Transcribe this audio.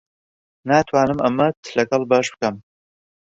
ناتوانم ئەمەت لەگەڵ بەش بکەم.